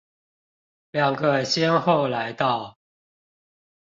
兩個先後來到